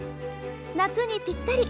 夏にぴったり！